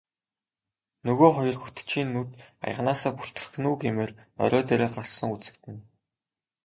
Нөгөө хоёр хөтчийн нүд аяганаасаа бүлтрэх нь үү гэмээр орой дээрээ гарсан үзэгдэнэ.